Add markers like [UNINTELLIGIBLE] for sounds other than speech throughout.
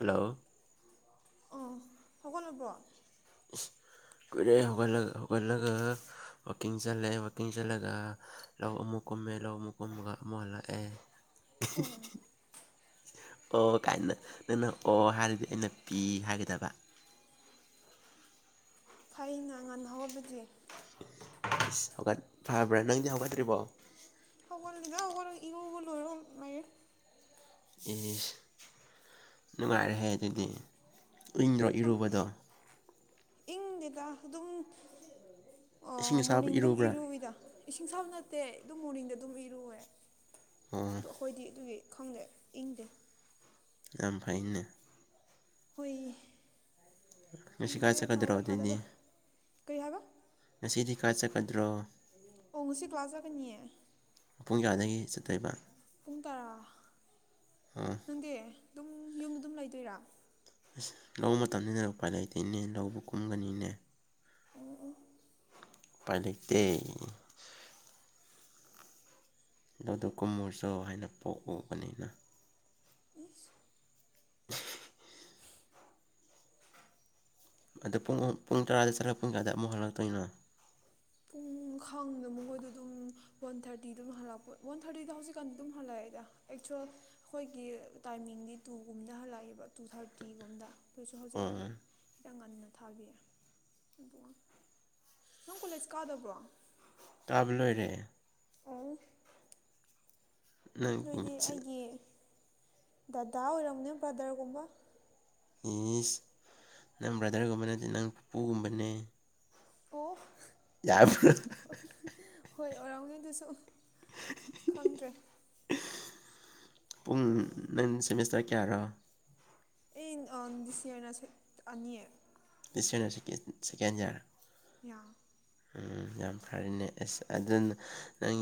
Hello ꯑꯣ ꯍꯧꯒꯜꯂꯕꯔꯣ ꯏꯁ ꯀꯨꯏꯔꯦ ꯍꯧꯒꯠꯂ ꯍꯧꯒꯠꯂꯒ ꯋꯥꯛꯀꯤꯡ ꯆꯠꯂꯦ ꯋꯥꯛꯀꯤꯡ ꯆꯠꯂꯒ ꯂꯧ ꯑꯃꯨꯛ ꯀꯨꯝꯃꯦ ꯂꯧ ꯑꯃꯨꯛ ꯀꯨꯝꯃꯒ ꯑꯃꯨꯛ ꯍꯜꯂꯛꯑꯦ ꯑꯣ ꯀꯥꯏꯅ ꯅꯪꯅ ꯑꯣ ꯍꯥꯏꯔꯗꯤ ꯑꯩꯅ ꯄꯤ ꯍꯥꯏꯒꯗꯕ ꯐꯩꯅ ꯉꯥꯟꯅ ꯍꯧꯒꯠꯄꯗꯤ ꯑꯁꯠ ꯐꯕ꯭ꯔꯥ ꯅꯪꯗꯤ ꯍꯧꯒꯠꯇ꯭ꯔꯤꯕꯣ ꯍꯧꯒꯠꯂꯤꯗ ꯍꯧꯒꯠꯏ ꯏꯔꯨꯒꯂꯣꯏꯔ ꯂꯩꯔꯦ ꯑꯁ ꯅꯨꯡꯉꯥꯏꯔꯍꯦ ꯑꯗꯨꯗꯤ ꯏꯪꯗ꯭ꯔꯣ ꯏꯔꯨꯕꯗꯣ ꯏꯪꯗꯦꯗ ꯑꯗꯨꯝ ꯏꯁꯤꯡ ꯑꯁꯥꯕ ꯃꯣꯔꯅꯤꯡ ꯗꯨꯝ ꯏꯔꯨꯕ꯭ꯔꯥ ꯏꯔꯨꯋꯤꯗ ꯏꯁꯤꯡ ꯁꯥꯕ ꯅꯠꯇꯦ ꯑꯗꯨꯝ ꯃꯣꯔꯅꯤꯡꯗ ꯑꯗꯨꯝ ꯏꯔꯨꯑꯦ ꯑꯣ ꯑꯗꯣ ꯈꯣꯏꯗꯤ ꯑꯗꯨꯒꯤ ꯈꯪꯗꯦ ꯏꯪꯗꯦ ꯌꯥꯝ ꯐꯩꯅꯦ ꯍꯨꯏ ꯉꯁꯤ ꯈꯪꯗꯦ ꯀꯥꯏ ꯆꯠꯀꯗ꯭ꯔꯣ ꯐꯥꯕ꯭ꯔꯥ ꯑꯗꯨꯗꯤ ꯐꯥꯗꯕ꯭ꯔꯥ ꯀꯩ ꯍꯥꯏꯕ ꯉꯁꯤꯗꯤ ꯀꯥꯏ ꯆꯠꯀꯗ꯭ꯔꯣ ꯑꯣ ꯉꯁꯤ ꯀ꯭ꯂꯥꯁ ꯆꯠꯀꯅꯤꯌꯦ ꯄꯨꯡ ꯀꯌꯥꯗꯒꯤ ꯆꯠꯇꯣꯏꯕ ꯄꯨꯡ ꯇꯔꯥ ꯑꯣ ꯅꯪꯗꯤ ꯑꯗꯨꯝ ꯌꯨꯝꯗ ꯑꯗꯨꯝ ꯂꯩꯗꯣꯏꯔꯥ ꯑꯁ ꯂꯧ ꯃꯇꯝꯅꯤꯅ ꯎꯄꯥꯏ ꯂꯩꯇ‌ꯦꯅꯦ ꯂꯧꯕꯨꯛ ꯀꯨꯝꯕꯅꯤꯅ ꯎꯝ ꯎꯝ ꯎꯄꯥꯏ ꯂꯩꯇ‌ꯦ ꯂꯧꯗꯨ ꯀꯨꯝꯃꯨꯁ‌ꯣ ꯍꯥꯏꯅ ꯄꯣꯛꯎꯕꯅꯤꯅ ꯑꯦꯁ ꯑꯗꯣ ꯄꯨꯡ ꯄꯨꯡ ꯇꯔꯥꯗ ꯆꯠꯂ ꯄꯨꯡ ꯀꯌꯥꯗ ꯑꯃꯨꯛ ꯍꯜꯂꯛꯇꯣꯏꯅꯣ ꯄꯨꯡ ꯈꯪꯗ‌ꯦ ꯃꯈꯣꯏꯗꯨ ꯑꯗꯨꯝ ꯋꯥꯟ ꯊꯥꯔꯇꯤ ꯗꯨꯝ ꯍꯜꯂꯛꯄ ꯋꯥꯟ ꯊꯥꯔꯇꯤꯗ ꯍꯧꯖꯤꯛꯀꯥꯟꯗꯤ ꯑꯗꯨꯝ ꯍꯜꯂꯛꯑꯦꯗ ꯑꯦꯛꯆꯨꯋꯦꯜ ꯑꯩꯈꯣꯏꯒꯤ ꯇꯥꯏꯃꯤꯡꯗꯤ ꯇꯨ ꯒꯨꯝꯕꯗ ꯍꯜꯂꯛꯑꯦꯕ ꯇꯨ ꯊꯥꯔꯇꯤ ꯒꯨꯝꯕꯗ ꯑꯩꯈ‌ꯣꯏꯁꯨ ꯍꯧꯖꯤꯛꯀꯥꯟꯗꯤ ꯑꯣ ꯈꯤꯇꯪ ꯉꯟꯅ ꯊꯥꯕꯤꯌꯦ ꯑꯗꯨꯒ ꯅꯪ ꯀꯣꯂꯦꯖ ꯀꯥꯗꯕ꯭ꯔꯣ ꯀꯥꯕ ꯂꯣꯏꯔꯦ ꯑꯣ ꯅꯪ ꯅꯣꯏꯗꯤ ꯑꯩꯒꯤ ꯗꯗꯥ ꯑꯣꯏꯔꯝꯅꯤ ꯕ꯭ꯔꯗꯔꯒꯨꯝꯕ ꯏꯁ ꯅꯪ ꯕ꯭ꯔꯗꯔꯒꯨꯝꯕ ꯅꯠꯇꯦ ꯅꯪ ꯄꯨꯄꯨꯒꯨꯝꯕꯅꯦ ꯑꯣ ꯌꯥ ꯍꯣꯏ ꯑꯣꯏꯔꯝꯒꯅꯤ ꯗꯨꯁꯨ ꯈꯪꯗ꯭ꯔꯦ ꯄꯨꯡ ꯅꯪ ꯁꯦꯃꯤꯁꯇꯔ ꯀꯌꯥꯔꯣ ꯑꯩ ꯑꯥ ꯗꯤꯁ ꯏꯌꯥꯔ ꯗ ꯁ‌ꯦꯛ ꯑꯅꯤ ꯗꯤꯁ ꯏꯌꯥꯔꯅ ꯁꯦꯀꯦꯟ ꯁꯦꯀꯦꯟ ꯏꯌꯥꯔ ꯌꯥ ꯎꯝ ꯌꯥꯝ ꯐꯔꯦꯅꯦ ꯑꯁ ꯑꯗꯨꯅ ꯅꯪ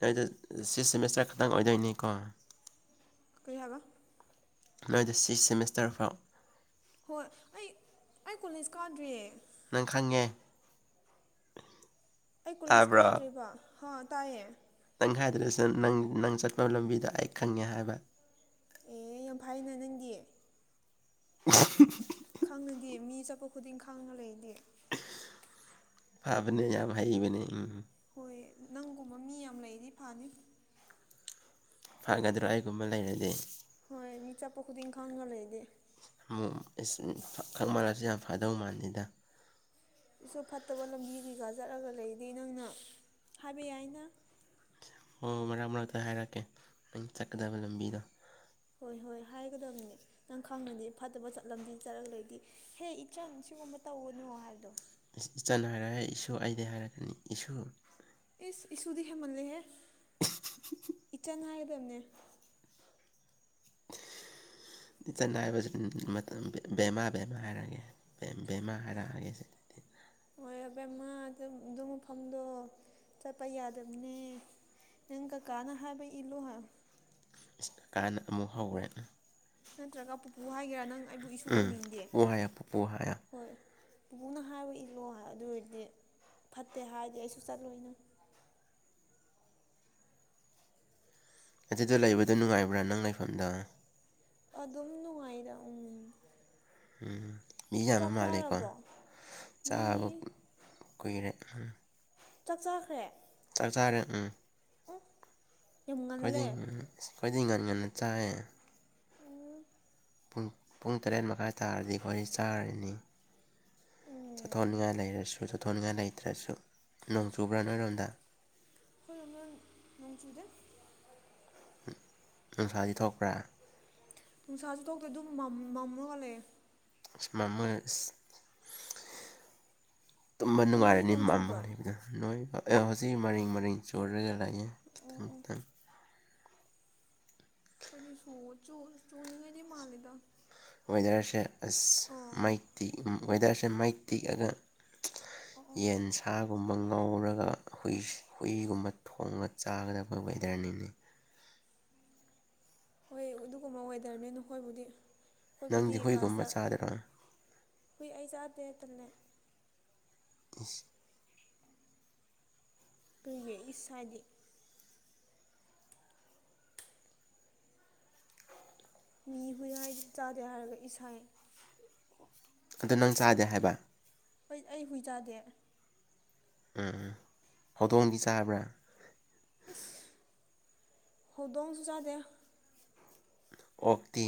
ꯅ‌ꯣꯏꯗ‌ꯣ ꯁꯤꯛꯁ ꯁꯦꯃꯤꯁꯇꯔ ꯈꯛꯇꯪ ꯑꯣꯏꯗꯣꯏꯅꯤꯀꯣ ꯀꯩ ꯍꯥꯏꯕ ꯅꯣꯏꯗ‌ꯣ ꯁꯤꯛꯁ ꯁꯦꯃꯤꯁꯇꯔ ꯐꯥꯎ ꯍꯣꯏ ꯑꯩ ꯑꯩ ꯀꯣꯂꯦꯖ ꯀꯥꯗ꯭ꯔꯤꯌꯦ ꯅꯪ ꯈꯪꯉꯦ ꯑꯩ ꯀꯨꯂ‌ꯦꯖ ꯇꯥꯕ꯭ꯔꯣ ꯀꯥꯗꯔꯤꯕ ꯍꯥ ꯇꯥꯏꯌꯦ ꯅꯪ ꯍꯥꯏꯗ꯭ꯔꯁꯨ ꯅꯪ ꯅꯪ ꯆꯠꯄ ꯂꯝꯕꯤꯗ‌ꯣ ꯑꯩ ꯈꯪꯉꯦ ꯍꯥꯏꯕ ꯑꯦ ꯌꯥꯝ ꯐꯩꯅ‌ꯦ ꯅꯪꯗꯤ [UNINTELLIGIBLE] ꯈꯪꯡꯉꯗꯤ ꯃꯤ ꯆꯠꯄ ꯈꯨꯗꯤꯡ ꯈꯪꯅ ꯂꯩꯗꯤ ꯐꯕꯅꯦ ꯌꯥꯝ ꯍꯩꯕꯅꯦ ꯎꯝ ꯍꯣꯏ ꯅꯪꯒꯨꯝꯕ ꯃꯤ ꯌꯥꯝ ꯂꯩꯗꯤ ꯐꯅꯤ ꯐꯒꯗ꯭ꯔꯥ ꯑꯩꯒꯨꯝꯕ ꯂꯩꯔꯗꯤ ꯍꯣꯏ ꯃꯤ ꯆꯠꯄ ꯈꯨꯗꯤꯡ ꯈꯪꯅ ꯂꯩꯗꯤ [UNINTELLIGIBLE] ꯌꯥꯝ ꯐꯗꯧ ꯃꯥꯜꯂꯤꯗ [UNINTELLIGIBLE] ꯅꯪꯅ ꯍꯥꯏꯕ ꯌꯥꯏꯅ ꯑꯣ ꯃꯔꯛ ꯃꯔꯛꯇ ꯍꯥꯏꯔꯛꯀꯦ ꯅꯪ ꯆꯠꯀꯗꯕ ꯅꯨꯃꯤꯠ ꯍꯣꯏ ꯍꯣꯏ ꯍꯥꯏꯒꯗꯕꯅꯦ ꯅꯪ ꯈꯪꯉꯗꯤ ꯐꯠꯇꯕ ꯆꯠ ꯂꯝꯕꯤ ꯆꯠꯂꯒ ꯂꯩꯔꯗꯤ ꯍꯦ ꯏꯆꯟ ꯁꯤꯒꯨꯝꯕ ꯇꯧꯒꯅꯣ ꯍꯥꯏꯕꯗꯣ ꯏꯆꯟ ꯍꯥꯏꯔ‌ꯣꯏꯍ‌ꯦ ꯏꯁꯨ ꯑꯩꯗꯤ ꯍꯥꯏꯔꯛꯀꯅꯤ ꯏꯁꯨ ꯏꯁ ꯏꯁꯨꯗꯤ ꯍꯦꯟꯃꯜꯂꯦꯍꯦ ꯏꯆꯟ ꯍꯥꯏꯒꯗꯕꯅꯦ ꯏꯆꯟ ꯍꯥꯏꯕꯁꯤ ꯎꯝ ꯃꯇꯝ ꯕꯦꯃꯥ ꯕꯦꯃꯥ ꯍꯥꯏꯔꯛꯑꯒꯦ ꯕꯦꯃꯥ ꯍꯥꯏꯔꯛꯑꯒꯦ ꯁ‌ꯦ ꯍꯣꯏ ꯑꯕꯦꯝꯃ ꯑꯗꯨ ꯗꯨꯝ ꯐꯝꯗꯣꯛꯑ‌ꯣ ꯆꯠꯄ ꯌꯥꯗꯕꯅꯦ ꯅꯪ ꯀꯀꯥꯅ ꯍꯥꯏꯕ ꯏꯜꯂꯨ ꯍꯥꯏ ꯏꯁ ꯀꯀꯥꯅ ꯑꯃꯨꯛ ꯍꯧꯔꯦ ꯅꯠꯇ꯭ꯔꯒ ꯄꯨꯄꯨ ꯍꯥꯏꯒꯦꯔꯥ ꯅꯪ ꯑꯩꯕꯨ ꯏꯁꯨ ꯎꯝ ꯀꯧꯅꯤꯡꯗꯦ ꯄꯨꯄꯨ ꯍꯥꯏꯌꯣ ꯄꯨꯄꯨ ꯍꯥꯏꯌꯣ ꯍꯣꯏ ꯄꯨꯕꯨꯅ ꯍꯥꯏꯕ ꯏꯜꯂꯣ ꯑꯗꯨꯑ‌ꯣꯏꯗꯤ ꯐꯠꯇꯦ ꯍꯥꯏꯔꯗꯤ ꯑꯩꯁꯨ ꯆꯠꯂꯣꯏꯅ‌ꯦ ꯑꯗꯨꯗ ꯂꯩꯕꯗꯣ ꯅꯨꯡꯉꯥꯏꯕ꯭ꯔꯥ ꯅꯪ ꯂꯩꯐꯝꯗꯣ ꯑꯗꯨꯝ ꯅꯨꯡꯉꯥꯏꯗ ꯎꯝ ꯎꯝ ꯃꯤ ꯌꯥꯝꯕ ꯆꯥꯛ ꯃꯥꯜꯂꯦꯀꯣ ꯆꯥꯔꯕ꯭ꯔꯣ ꯃꯤ ꯆꯥꯕꯨ ꯀꯨꯏꯔꯦ ꯎꯝ ꯆꯥꯛ ꯆꯥꯈ꯭ꯔꯦ ꯆꯥꯛ ꯆꯥꯔꯦ ꯎꯝ ꯎꯝ ꯈꯣꯏꯗꯤꯡ ꯀꯣꯏꯗꯤꯡ ꯉꯥꯟ ꯉꯟꯅ ꯆꯥꯏꯌ‌ꯦ ꯎꯝ ꯄꯨꯡ ꯄꯨꯡ ꯇꯔꯦꯠ ꯃꯈꯥꯏ ꯇꯥꯔꯗꯤ ꯑꯩꯈꯣꯏ ꯆꯥꯔꯅꯤ ꯎꯝ ꯆꯠꯊꯣꯛꯅꯤꯡꯉꯥꯏ ꯂꯩꯔꯁꯨ ꯆꯠꯊꯣꯛꯅꯤꯡꯉꯥꯏ ꯂꯩꯇ꯭ꯔꯁꯨ ꯅꯣꯡ ꯆꯨꯕ꯭ꯔꯥ ꯅꯣꯏꯔꯣꯝꯗ ꯍꯣꯏꯣ ꯅꯣꯡ ꯆꯨꯗ‌ꯦ ꯅꯨꯡꯁꯥꯗꯤ ꯊꯣꯛꯄ꯭ꯔꯥ ꯅꯨꯡꯁꯥꯁꯨ ꯊ‌ꯣꯛꯗꯦ ꯑꯗꯨꯝ ꯃꯝ ꯃꯝꯂꯒꯂꯩꯌ‌ꯦ ꯑꯁ ꯃꯝꯃꯒ ꯏꯁ ꯇꯨꯝꯕ ꯅꯈꯣꯏꯗꯤ ꯅꯨꯡꯉꯥꯏꯔꯅꯤ ꯅꯣꯡ ꯃꯝꯃꯒ ꯆꯨꯕ꯭ꯔꯣ ꯂꯩꯕꯅ ꯅꯣꯏ ꯍꯧꯖꯤꯛ ꯃꯔꯡ ꯃꯔꯡ ꯆꯣꯔꯒ ꯂꯥꯛꯦ ꯎꯝ ꯈꯤꯇꯪ ꯎꯝ ꯈꯤꯇꯪ [UNINTELLIGIBLE] ꯁꯨ ꯆꯨꯅꯤꯡꯉꯥꯏꯗꯤ ꯃꯥꯜꯂꯦꯗ ꯋꯦꯗꯔꯁꯦ ꯑꯁ ꯃꯥꯏ ꯇꯤꯛ ꯋꯦꯗꯔꯁꯦ ꯃꯥꯏ ꯇꯤꯛꯑꯒ ꯑꯣ ꯑꯣ ꯌꯦꯟꯁꯥ ꯁꯥꯒꯨꯝꯕ ꯉꯧꯔꯒ ꯍꯨꯏ ꯍꯨꯏꯒꯨꯝꯕ ꯊꯣꯡꯉ ꯆꯥꯒꯗꯕ ꯋꯦꯗꯔꯅꯤꯅꯦ ꯍꯣꯏ ꯑꯗꯨꯒꯨꯝꯕ ꯋꯦꯗꯔꯅꯦ ꯅꯍ‌ꯣꯏꯕꯨꯗꯤ ꯑꯩꯈꯣꯏꯕꯨꯗꯤ ꯅꯪꯗꯤ ꯍꯨꯏꯒꯨꯝꯕ ꯀ꯭ꯂꯥꯁꯇ ꯆꯥꯗ꯭ꯔꯣ ꯍꯨꯏ ꯑꯩ ꯆꯥꯗꯦ ꯇꯟꯅꯦ ꯑꯁ ꯀꯔꯤꯒꯤ ꯏꯁ ꯍꯥꯏꯗꯤ ꯃꯤ ꯍꯨꯏ ꯍꯥꯏ ꯆꯥꯗꯦ ꯍꯥꯏꯔꯒ ꯏꯁꯥꯏ ꯑꯗꯨ ꯅꯪ ꯆꯥꯗꯦ ꯍꯥꯏꯕ ꯍ‌ꯣꯏ ꯑꯩ ꯍꯨꯏ ꯆꯥꯗꯦ ꯎꯝ ꯍꯧꯗ‌ꯣꯡꯗꯤ ꯆꯥꯕ꯭ꯔꯥ ꯏꯁ ꯍꯧꯗꯣꯡꯁꯨ ꯆꯥꯗꯦ ꯑꯣꯛꯇꯤ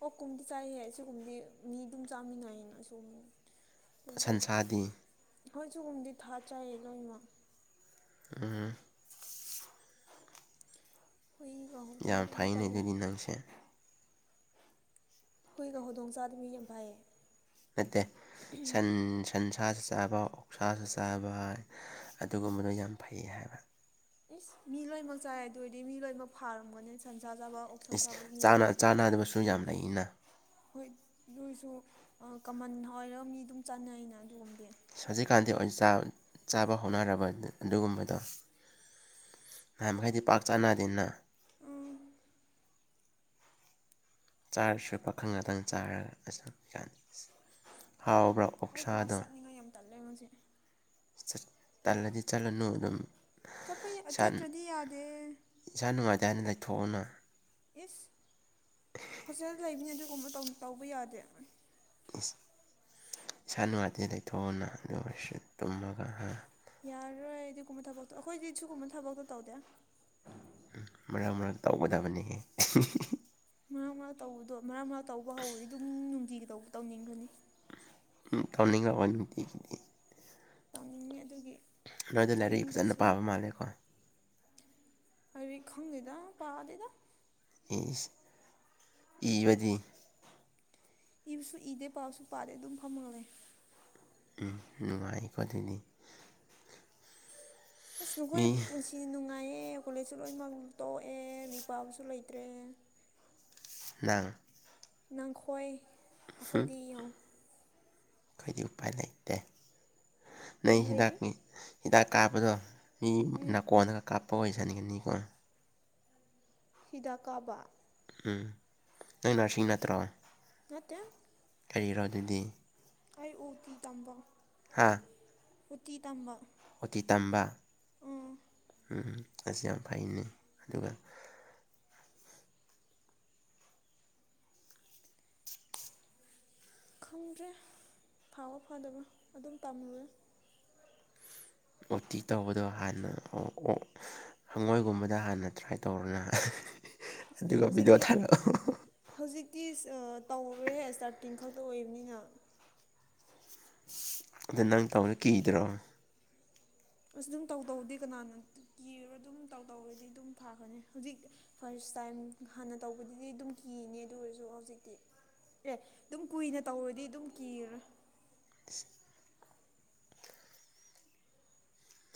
ꯑꯣꯛ ꯀꯨꯝꯗꯤ ꯆꯥꯏꯍꯦ ꯁꯤꯒꯨꯝꯕꯗꯤ ꯃꯤ ꯑꯗꯨꯝ ꯆꯥꯃꯤꯟꯅꯩꯌꯦꯅ ꯁꯤꯒꯨꯝ ꯑꯗꯨꯁꯨ ꯁꯟꯁꯥꯗꯤ ꯑꯩꯈꯣꯏ ꯁꯤꯨꯒꯨꯝꯗꯤ ꯊꯥ ꯆꯥꯏꯌꯦ ꯂꯣꯏꯃꯛ ꯎꯝ ꯍꯨꯏꯒ ꯌꯥꯅ ꯍꯧꯗꯣꯡꯒꯨꯝꯕ ꯐꯩꯅꯦ ꯇꯜꯂꯦ ꯑꯗꯨꯗꯤ ꯅꯪꯁꯦ ꯍꯨꯏꯒ ꯍꯧꯗꯣꯡ ꯆꯥꯗ ꯃꯤ ꯌꯥꯝ ꯐꯩꯌꯦ ꯅꯠꯇꯦ ꯁꯟ ꯁꯟꯁꯥꯁꯨ ꯆꯥꯕ ꯑꯣꯛꯁꯥꯁꯨ ꯆꯥꯕ ꯑꯗꯨꯒꯨꯝꯕꯗꯣ ꯌꯥꯝ ꯐꯩ ꯍꯥꯏꯕ ꯏꯁ ꯃꯤ ꯂꯣꯏꯅꯃꯛ ꯆꯥꯏ ꯑꯗꯨ ꯑꯣꯏꯔꯗꯤ ꯃꯤ ꯂꯣꯏꯅꯃꯛ ꯐꯥꯔꯝꯒꯅꯤ ꯁꯟꯁꯥ ꯆꯥꯕ ꯑꯣꯛꯁꯥ ꯏꯁ ꯆꯥꯕ ꯃꯤ ꯆꯥꯟꯅ ꯂꯣꯏꯅꯃꯛ ꯆꯥꯅꯗꯕꯁꯨ ꯌꯥꯝ ꯂꯩꯅꯥ ꯍꯣꯏ ꯑꯗꯨꯑꯣꯏꯁꯨ ꯀꯃꯟ ꯍꯥꯏꯔꯒ ꯃꯤ ꯑꯗꯨꯝ ꯆꯥꯟꯅꯩꯩꯅ ꯑꯗꯨꯒꯝꯗꯤ ꯍꯧꯖꯤꯛꯀꯥꯟꯗꯤꯥ ꯆꯥꯕ ꯆꯥꯕ ꯍꯧꯅꯔꯕꯅꯤ ꯑꯗꯨꯒꯨꯝꯕꯗꯣ ꯅꯍꯥꯟ ꯃꯈꯩꯗꯤ ꯄꯥꯛ ꯆꯥꯅꯗꯦꯅꯥ ꯎꯝ ꯆꯥꯔꯁꯨ ꯄꯥꯈꯪ ꯉꯥꯇꯪ ꯆꯥꯔꯒ ꯑꯁ ꯍꯧꯖꯤꯀꯥꯟ ꯍꯥꯎꯕ꯭ꯔ‌ꯣ ꯑꯩ ꯀ꯭ꯂꯥꯁ ꯆꯠꯅꯤꯡꯉꯩ ꯌꯥꯝ ꯇꯜꯂꯦ ꯉꯁꯤ ꯇꯜꯂꯗꯤ ꯆꯠꯂꯅꯨ ꯑꯗꯨꯝ ꯆꯠꯄꯩ ꯏꯁꯥ ꯆꯠꯇ꯭ꯔꯗꯤ ꯌꯥꯗꯦ ꯏꯁꯥ ꯅꯨꯡꯉꯥꯏꯇ‌ꯦ ꯍꯥꯏꯅ ꯂꯩꯊꯣꯛꯑ‌ꯣꯅꯥ ꯏꯁ ꯍꯣꯁꯇꯦꯜ ꯂꯩꯕꯅꯤ ꯑꯗꯨꯒꯨꯝꯕ ꯇꯧ ꯇꯧꯕ ꯌꯥꯗꯦ ꯏꯁꯥ ꯅꯨꯡꯉꯥꯇꯤ ꯂꯩꯊꯣꯛꯑ‌ꯣꯅꯥ ꯑꯗꯨ ꯑꯣꯏꯔꯁꯨ ꯇꯨꯝꯃꯒ ꯍꯥ ꯌꯥꯔꯔꯣꯏ ꯑꯥꯗꯤꯒꯨꯝꯕ ꯊꯕꯛꯇꯨ ꯑꯩꯈꯣꯏꯗꯤ ꯁꯤꯒꯨꯝꯕ ꯊꯕꯛꯇꯣ ꯇꯧꯗꯦ ꯎꯝ ꯃꯔꯛ ꯃꯔꯛ ꯇꯧꯒꯗꯕꯅꯤ [UNINTELLIGIBLE] ꯃꯔꯛ ꯃꯔꯛ ꯇꯧꯕꯗꯣ ꯃꯔꯛ ꯃꯔꯛ ꯇꯧꯕ ꯍꯧꯔꯗꯤ ꯑꯗꯨꯝ ꯅꯨꯡꯇꯤꯒꯤ ꯇꯧꯕ ꯇꯧꯅꯤꯡꯈ꯭ꯔꯅꯤ [UNINTELLIGIBLE] ꯇꯧꯅꯤꯡꯉꯤ ꯑꯗꯨꯒꯤ [UNINTELLIGIBLE] ꯂꯥꯏꯔꯤꯛ ꯐꯖꯅ ꯄꯥꯕ ꯃꯥꯜꯂꯦꯀꯣ ꯍꯥꯏꯔꯤ ꯈꯪꯗꯦꯗ ꯄꯥꯗꯦꯗ ꯏꯁ ꯏꯕꯗꯤ ꯏꯕꯁꯨ ꯏꯗꯦ ꯄꯥꯕꯁꯨ ꯄꯥꯗꯦ ꯑꯗꯨꯝ ꯐꯝꯃꯒꯥ ꯂꯩ ꯎꯝ ꯅꯨꯡꯉꯥꯏꯀꯣ ꯑꯗꯨꯗꯤ ꯑꯁ ꯃꯤ ꯅꯈꯣꯏ ꯄꯨꯟꯁꯤ ꯅꯨꯡꯉꯥꯏꯌꯦ ꯀꯣꯂꯦꯖꯁꯨ ꯂꯣꯏꯅꯃꯛ ꯇꯣꯛꯑꯦ ꯃꯤꯄꯥꯏꯕꯁꯨ ꯂꯩꯇ꯭ꯔꯦ ꯅꯪ ꯅꯪꯈꯣꯏ ꯍꯨꯝ ꯑꯩꯈꯣꯏꯗꯤ ꯌꯦꯡꯉꯨ ꯑꯩꯈꯣꯏꯗꯤ ꯎꯄꯥꯏ ꯂꯩꯇꯦ ꯅꯣꯏ ꯌꯥꯝ ꯂꯩꯔꯤ ꯍꯤꯗꯥꯛꯅꯤ ꯍꯤꯗꯥꯛ ꯀꯥꯞꯄꯗꯣ ꯃꯤ ꯅꯥꯀꯣꯟꯜꯂꯒ ꯀꯥꯞꯄ [UNINTELLIGIBLE] ꯀꯣ ꯍꯤꯗꯥꯛ ꯀꯥꯕ ꯎꯝ ꯅꯪ ꯅꯔꯁꯤꯡ ꯅꯠꯇ꯭ꯔꯣ ꯅꯠꯇꯦ ꯀꯔꯤꯔꯣ ꯑꯗꯨꯗꯤ ꯑꯩ ꯎꯇꯤ ꯇꯝꯕ ꯍꯥꯥ ꯎꯇꯤ ꯇꯝꯕ ꯑꯣꯇꯤ ꯇꯝꯕ ꯎꯝ ꯎꯝ ꯑꯁꯤ ꯌꯥꯝ ꯐꯩꯅꯤ ꯑꯗꯨꯒ ꯈꯪꯗ꯭ꯔꯦ ꯐꯥꯕ ꯐꯗꯕ꯭ꯔꯥ ꯑꯗꯨꯝ ꯇꯝꯃꯨꯔꯦ ꯑꯣꯇꯤ ꯇꯧꯕꯗꯣ ꯍꯥꯟꯅ ꯑꯣ ꯍꯪꯉꯣꯏꯒꯨꯝꯕꯗ ꯍꯥꯟꯅ ꯇ꯭ꯔꯥꯏ ꯇꯧꯔꯅ ꯑꯦ ꯑꯗꯨꯒ ꯚꯤꯗꯤꯑꯣ ꯍꯧꯖꯤꯛꯇꯤ ꯊꯥꯔꯛꯑꯣ ꯍꯧꯖꯤꯛꯇꯤ ꯇꯧꯔꯣꯏꯌꯦ ꯏꯁ꯭ꯇꯥꯔꯇꯤꯡ ꯈꯛꯇ ꯑꯣꯏꯕꯅꯤꯅ ꯑꯗꯨ ꯅꯪ ꯇꯧꯕꯗ ꯀꯤꯗ꯭ꯔꯣ ꯑꯁ ꯑꯗꯨꯝ ꯇꯧ ꯇꯧꯗꯤ ꯀꯅꯥꯅ ꯀꯤꯔ ꯑꯗꯨꯝ ꯇꯧ ꯇꯧꯔꯗꯤ ꯑꯗꯨꯝ ꯐꯥꯈ꯭ꯔꯥꯅꯤ ꯍꯧꯖꯤꯛ ꯐꯥꯔꯁ ꯇꯥꯏꯝ ꯍꯥꯟꯅ ꯇꯧꯕꯗꯗꯤ ꯑꯗꯨꯝ ꯀꯤꯅꯦ ꯑꯗꯨ ꯑꯣꯏꯔꯁꯨ ꯍꯧꯖꯤꯛꯇꯤ ꯑꯦ ꯑꯗꯨꯝ ꯀꯨꯏꯅ ꯇꯧꯔꯗꯤ ꯑꯗꯨꯝ ꯀꯤꯔ [INAUDIBLE]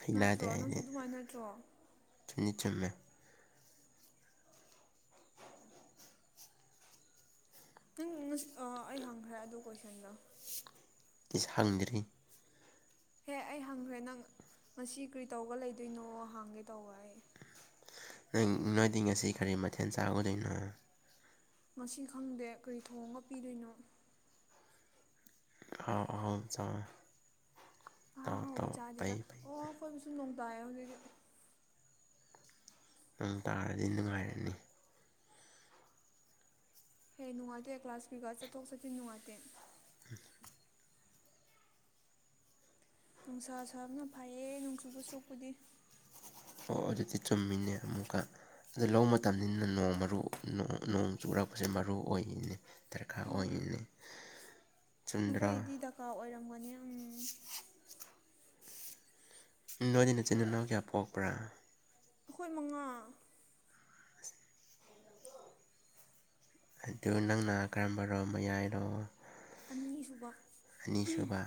ꯍꯅꯥꯗꯦ ꯅꯠꯇ꯭ꯔꯣ ꯅꯪꯁꯨ ꯑꯩꯅ ꯑꯗꯨꯃꯥꯏꯅ ꯅꯠꯇ꯭ꯔꯣ ꯆꯨꯝꯗꯤ ꯆꯨꯝꯃꯦ [UNINTELLIGIBLE] ꯑꯩ ꯍꯪꯈ꯭ꯔꯦ ꯑꯗꯨ ꯀꯣꯏꯁꯟꯗꯣ ꯏꯁ ꯍꯪꯗ꯭ꯔꯤ ꯍꯦ ꯑꯩ ꯍꯪꯈ꯭ꯔꯦ ꯅꯪ ꯉꯁꯤ ꯀꯔꯤ ꯇꯧꯔꯒ ꯂꯩꯗꯣꯏꯅꯣ ꯍꯪꯒꯦ ꯇꯧꯕ ꯑꯩ ꯅꯪ ꯅꯣꯏꯗꯤ ꯉꯁꯤ ꯀꯔꯤ ꯃꯊꯦꯜ ꯆꯥꯒꯗꯣꯏꯅꯣ ꯉꯁꯤ ꯈꯪꯗꯦ ꯀꯔꯤ ꯊꯣꯡꯒ ꯄꯤꯗꯣꯏꯅꯣ ꯑꯥꯎ ꯑꯍꯥ ꯍꯥꯎꯕ ꯑꯥꯎ [UNINTELLIGIBLE] ꯆꯥꯗꯦꯗ ꯐꯩ ꯐꯩ ꯑꯣ ꯑꯩꯈꯣꯏꯕꯨꯁꯨ ꯅꯣꯡ ꯇꯥꯏꯌꯦ ꯍꯧꯖꯤꯛꯇꯤ ꯅꯪꯡ ꯇꯥꯔꯗꯤ ꯅꯨꯡꯉꯥꯏꯔꯅꯤ ꯍꯦ ꯅꯨꯡꯉꯥꯏꯇꯦ ꯀ꯭ꯂꯥꯁ ꯀꯔꯤ ꯀꯥ ꯆꯠꯊꯣꯛ ꯆꯠꯁꯤꯟ ꯅꯨꯡꯉꯥꯏꯇꯦ꯫ [UNINTELLIGIBLE] ꯅꯨꯡꯁꯥ ꯁꯥꯕꯅ ꯐꯩꯌꯦ ꯅꯣꯡ ꯆꯨꯗꯧ ꯁꯔꯨꯛꯄꯨꯗꯤ ꯑꯣ ꯑꯗꯨꯗꯤ ꯆꯨꯝꯃꯤꯅꯦ ꯑꯃꯨꯀꯥ ꯑꯗꯨ ꯂꯧꯕ ꯃꯇꯝꯅꯤꯅ ꯅꯣꯡ ꯃꯔꯨ ꯅꯣꯡ ꯆꯨꯔꯛꯄꯖꯦ ꯃꯔꯨ ꯑꯣꯏꯅꯤꯅꯦ ꯗꯔꯀꯥꯔ ꯎꯝ ꯑꯣꯏꯅꯤꯅꯦ ꯅꯈꯣꯏꯗꯤ ꯗꯔꯀꯥꯔ ꯑꯣꯏꯔꯝꯒꯅꯤ ꯎꯝ ꯅꯣꯏꯗꯤ ꯅꯆꯤꯟ ꯅꯅꯥꯎ ꯀꯌꯥ ꯄꯣꯛꯄ꯭ꯔꯥ ꯑꯩꯈꯣꯏ ꯃꯉꯥ ꯑꯗꯨ ꯅꯪꯅ ꯀꯔꯝꯕꯔꯣ ꯃꯌꯥꯏꯔꯣ ꯑꯅꯤꯁꯨꯕ ꯑꯅꯤꯁꯨꯕꯥ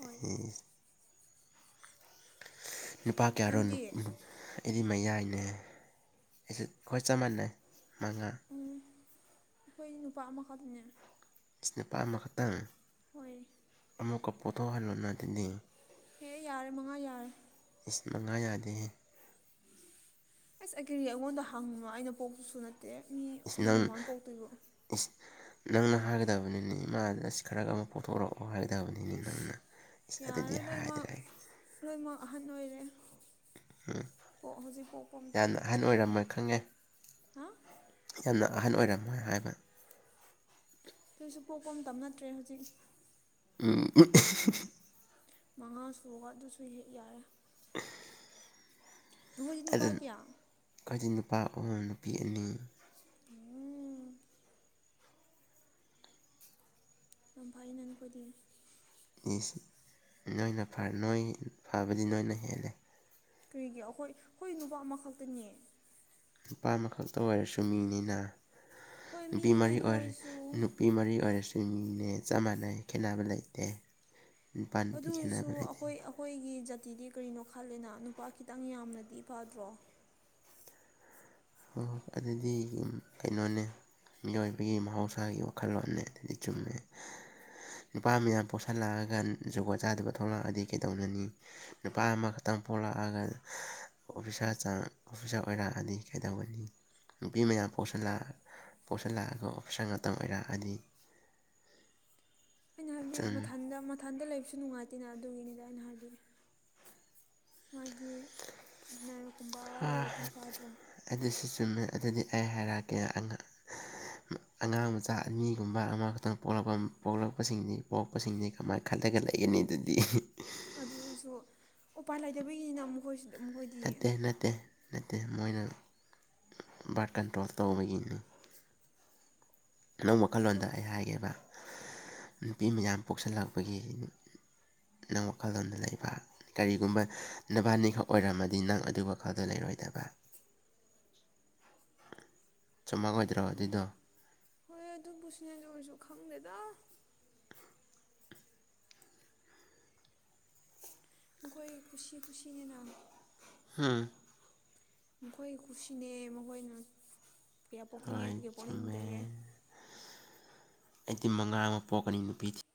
ꯍꯣꯏ ꯎꯝ ꯅꯨꯄꯥ ꯀꯌꯥꯔꯣ ꯅꯪꯗꯤ [UNINTELLIGIBLE] ꯑꯩꯗꯤ ꯃꯌꯥꯏꯅꯦ ꯑꯩꯁꯨ ꯈꯣꯏ ꯆꯞ ꯃꯥꯟꯅꯩ ꯃꯉꯥ ꯎꯝ ꯑꯩꯈꯣꯏ ꯅꯨꯄꯥ ꯑꯃꯈꯛꯇꯅꯦ ꯏꯁ ꯅꯨꯄꯥ ꯑꯃꯈꯛꯇꯪ ꯍꯣꯏꯌꯦ ꯑꯃꯨꯛꯀ ꯄꯨꯊꯣꯛꯍꯜꯂꯣꯅꯥ ꯑꯗꯨꯗꯤ ꯍꯦ ꯌꯥꯔꯦ ꯃꯉꯥ ꯌꯥꯔꯦ ꯏꯁ ꯃꯉꯥ ꯌꯥꯗꯦꯍꯦ ꯑꯁ ꯑꯩ ꯀꯔꯤ ꯑꯩꯉꯣꯟꯗ ꯍꯪꯕ꯭ꯔꯣ ꯑꯩꯅ ꯄꯣꯛꯄꯁꯨ ꯅꯠꯇꯦ ꯃꯤ ꯏꯁ ꯑꯩ ꯅꯪ ꯃꯃꯥꯅ ꯄꯣꯛꯇꯣꯏꯕꯨ ꯏꯁ ꯅꯪꯅ ꯍꯥꯏꯒꯗꯕꯅꯤꯅꯦ ꯏꯃꯥꯗ ꯏꯁ ꯈꯔꯒ ꯑꯃꯨꯛ ꯄꯣꯛꯊꯣꯔꯣꯛ ꯑꯣ ꯍꯥꯏꯇꯥꯕꯅꯤꯅꯦ ꯏꯁ ꯅꯪꯅ ꯏꯁ ꯑꯗꯨꯗꯤ ꯌꯥꯔꯦ ꯂꯣꯏꯃꯛ ꯍꯥꯏꯗ꯭ꯔꯒ ꯂꯣꯏꯃꯛ ꯑꯍꯟ ꯑꯣꯏꯔꯦ ꯄꯣ ꯍꯧꯖꯤꯛ ꯄꯣꯛꯄ ꯃꯇꯝ ꯌꯥꯝꯅ ꯑꯍꯟ ꯅꯠꯇ꯭ꯔꯦ ꯑꯣꯏꯔꯝꯃꯣꯏ ꯈꯪꯉꯦ ꯍꯥ ꯌꯥꯝꯅ ꯑꯍꯟ ꯑꯣꯏꯔꯝꯃꯣꯏ ꯍꯥꯏꯕ ꯑꯗꯣꯏꯁꯨ ꯄꯣꯛꯄ ꯃꯇꯝꯇ ꯅꯠꯇ꯭ꯔꯦ ꯍꯧꯖꯤꯛ ꯎꯝ [UNINTELLIGIBLE] ꯃꯉꯥ ꯁꯨꯕꯒ ꯑꯗꯨꯁꯨ ꯍꯦꯛ ꯌꯥꯔꯦ [UNINTELLIGIBLE] ꯅꯣꯍꯣꯢ ꯅꯨꯄꯥ ꯀꯌꯥ ꯈꯣꯏꯗꯤ ꯅꯨꯄꯥ ꯑꯍꯨꯝ ꯅꯨꯄꯤ ꯑꯅꯤ ꯎꯝ ꯌꯥꯝ ꯐꯩꯅꯦ ꯅꯈꯣꯏꯗꯤ ꯏꯁ ꯅꯣꯏꯅ ꯐꯥ ꯅꯣꯏ ꯐꯕꯗꯤ ꯅꯣꯏꯅ ꯍꯦꯜꯂꯦ ꯀꯔꯤꯒꯤ ꯑꯩꯈꯣꯏ ꯑꯩꯈꯣꯏ ꯅꯨꯄꯥ ꯑꯃꯈꯛꯇꯅꯦ ꯅꯨꯄꯥ ꯑꯃꯈꯛꯇ ꯑꯣꯏꯔꯁꯨ ꯃꯤꯅꯤꯅꯥ ꯍꯣꯏ ꯅꯨꯄꯤ ꯃꯤꯅꯦ ꯃꯔꯤ ꯑꯗꯨ ꯑꯣꯏꯔ ꯑꯣꯏꯔꯁꯨ ꯅꯨ ꯢ ꯃꯔꯤ ꯑꯣꯏꯔꯁꯨ ꯃꯤꯅꯦ ꯆꯞ ꯃꯥꯟꯅꯩ ꯈꯦꯠꯅꯕ ꯂꯩꯇꯦ꯫ ꯅꯨꯄꯥ ꯅꯨꯄꯤ ꯑꯗꯨ ꯑꯣꯏꯔꯁꯨ ꯈꯦꯠꯅꯕ ꯂꯩꯇꯦ ꯑꯩꯈꯣꯏ ꯑꯩꯈꯣꯏꯒꯤ ꯖꯥꯇꯤꯗꯤ ꯀꯔꯤꯅꯣ ꯈꯜꯂꯦꯅ ꯅꯨꯄꯥ ꯈꯤꯇꯪ ꯌꯥꯝꯕꯅꯗꯤ ꯐꯗ꯭ꯔꯣ ꯑꯣ ꯑꯗꯨꯗꯤ ꯌꯨꯝ ꯀꯩꯅꯣꯅꯦ ꯃꯤꯑꯣꯏꯕꯒꯤ ꯃꯍꯧꯁꯥꯒꯤ ꯋꯥꯈꯜꯂꯣꯟꯅꯦ ꯑꯗꯨꯗꯤ ꯆꯨꯝꯃꯦ ꯅꯨꯄꯥ ꯃꯌꯥꯝ ꯄꯣꯛꯁꯜꯂꯛꯑꯒ ꯖꯨꯒꯣꯠ ꯆꯥꯗꯕ ꯊꯣꯛꯂꯛꯑꯗꯤ ꯀꯩꯗꯧꯅꯅꯤ ꯅꯨꯄꯥ ꯑꯃꯈꯛꯇꯪ ꯄꯣꯛꯂꯛꯑꯒ ꯑꯣꯐꯤꯁꯥꯔ ꯆꯥꯡ ꯑꯣꯐꯤꯁꯥꯔ ꯑꯣꯏꯔꯛꯑꯗꯤ ꯀꯩꯗꯧꯒꯅꯤ ꯅꯨꯄꯤ ꯃꯌꯥꯝ ꯄꯣꯛꯁꯜꯂ ꯄꯣꯠꯁꯤꯜꯂꯛꯑꯒ ꯑꯣꯐꯤꯁꯥꯔ ꯉꯥꯛꯇ ꯑꯣꯏꯔꯛꯑꯗꯤ [INAUDIBLE] ꯑꯩꯅ ꯍꯥꯏꯕꯗꯤ ꯆꯨꯝ ꯃꯊꯟꯗ ꯃꯊꯟꯗ ꯂꯩꯕꯁꯨ ꯅꯨꯡꯉꯥꯏꯇꯦꯅ ꯑꯗꯨꯒꯤꯅꯤꯗ ꯑꯩꯅ ꯍꯥꯏꯗꯤ ꯃꯥꯒꯤ ꯄꯥꯠꯅꯔ ꯍꯥ ꯑꯗꯨꯁꯨ ꯆꯨꯝꯃꯦ ꯑꯗꯨꯗꯤ ꯑꯩ ꯍꯥꯏꯔꯛꯑꯒꯦ ꯑꯉꯥ ꯑꯉꯥꯡ ꯃꯆꯥ ꯑꯅꯤꯒꯨꯝꯕ ꯑꯃꯈꯛꯇꯪ ꯄꯣꯛꯂꯛꯄ ꯄꯣꯛꯂꯛꯄꯁꯤꯡꯗꯤ ꯄꯣꯛꯄꯁꯤꯡꯗꯤ ꯀꯃꯥꯏ ꯈꯠꯂꯒ ꯂꯩꯒꯅꯤ ꯑꯗꯨꯗꯤ ꯑꯗꯨ ꯑꯣꯢꯖꯨ ꯎꯄꯥꯏ ꯂꯩꯇꯕꯒꯤꯅ ꯃꯈꯣꯏꯁꯨ ꯃꯈꯣꯏꯗꯤ ꯅꯠꯇꯦ ꯅꯠꯇꯦ ꯅꯠꯇꯦ ꯃꯣꯏꯅ ꯕꯥꯔꯠ ꯀꯟꯇ꯭ꯔꯣꯜ ꯇꯧꯕꯒꯤꯅꯤ ꯅꯪ ꯋꯥꯈꯜꯂꯣꯟꯗ ꯑꯗꯨꯝ ꯑꯩ ꯍꯥꯏꯒꯦꯕ ꯅꯨꯄꯤ ꯃꯌꯥꯝ ꯄꯣꯛꯁꯜꯂꯛꯄꯒꯤ ꯅꯪ ꯋꯥꯈꯜꯂꯣꯟꯗ ꯂꯩꯕ ꯀꯔꯤꯒꯨꯝꯕ ꯅꯕꯥꯅꯤꯈꯛ ꯑꯣꯏꯔꯝꯃꯗꯤ ꯅꯪ ꯑꯗꯨꯏ ꯋꯥꯈꯜꯗ ꯂꯩꯔꯣꯏꯗꯕ [INAUDIBLE] ꯆꯨꯝꯃꯛꯑꯣꯏꯗ꯭ꯔꯣ ꯈꯪ ꯑꯗꯨꯏꯗꯣ ꯍꯣꯏ ꯑꯗꯨꯕꯨꯁꯨꯅꯦ ꯑꯗꯨ ꯑꯣꯏꯔꯁꯨ ꯈꯪꯗꯦꯗ ꯈꯣꯏ ꯈꯨꯨꯁꯤ ꯈꯨꯁꯤꯅꯦꯅ ꯍꯨꯝ ꯃꯈꯣꯏꯒꯤ ꯀꯨꯁꯤꯅꯦ ꯃꯈꯣꯏꯅ ꯀꯌꯥ ꯍꯣꯏ ꯄꯣꯛꯅꯤꯡꯉꯦꯒꯦ ꯆꯨꯝꯃꯦ ꯄꯣꯛꯅꯤꯡꯗꯒꯦ ꯑꯩꯗꯤ ꯃꯉꯥ ꯑꯃ ꯄꯣꯛꯀꯅꯤ ꯅꯨꯄꯤꯗꯤ